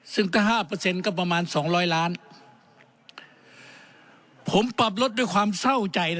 ซึ่งถ้าห้าเปอร์เซ็นต์ก็ประมาณสองร้อยล้านผมปรับลดด้วยความเศร้าใจ